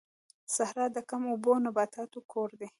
صحرا د کم اوبو نباتاتو کور دی